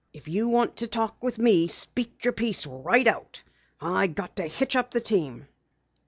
"If you want to talk with me speak your piece right out. I got to hitch up the team."